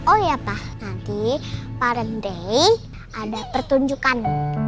oh iya pa nanti parent day ada pertunjukan